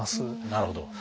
なるほど。